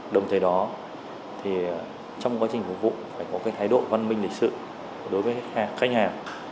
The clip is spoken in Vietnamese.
đồng thời đó thì trong quá trình phục vụ phải có cái thái độ văn minh lịch sự đối với khách hàng